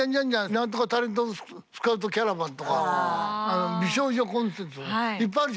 何とかタレントスカウトキャラバンとか美少女コンテストとかいっぱいあるじゃない。